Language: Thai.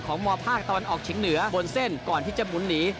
มภาคตะวันออกเฉียงเหนือบนเส้นก่อนที่จะหมุนหนี